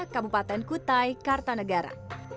kabupaten kutai kartanegara